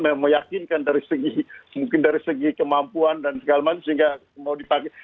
meyakinkan dari segi kemampuan dan segala macam sehingga mau dipakai